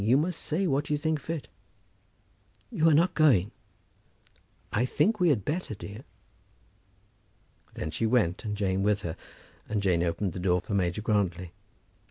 You must say what you think fit." "You are not going?" "I think we had better, dear." Then she went, and Jane with her, and Jane opened the door for Major Grantly.